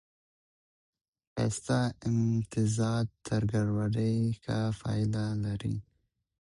ښايسته امتزاج تر ګډوډۍ ښه پايله لري.